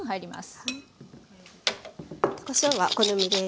こしょうはお好みです。